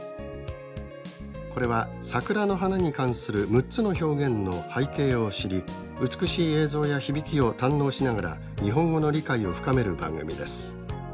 これは桜の花に関する６つの表現の背景を知り美しい映像や響きを堪能しながら日本語の理解を深める番組です。